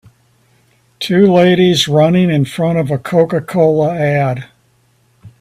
Two ladies running in front of a CocaCola ad.